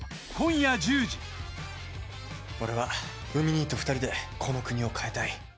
俺は海兄と２人でこの国を変えたい。